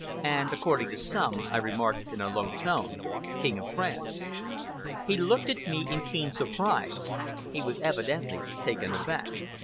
"And according to some," I remarked in a low tone, "King of France!" He looked at me in keen surprise. He was evidently taken aback.